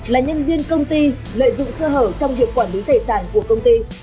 là nhân viên công ty lợi dụng sơ hở trong việc quản lý tài sản của công ty